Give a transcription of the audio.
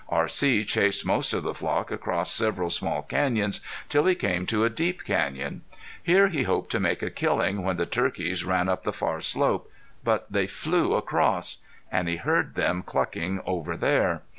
R.C. chased most of the flock across several small canyons, till he came to a deep canyon. Here he hoped to make a killing when the turkeys ran up the far slope. But they flew across! And he heard them clucking over there.